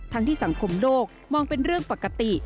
ที่สังคมโลกมองเป็นเรื่องปกติ